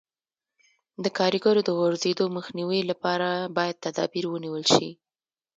د کاریګرو د غورځېدو مخنیوي لپاره باید تدابیر ونیول شي.